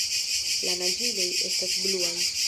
La naĝiloj estas bluaj.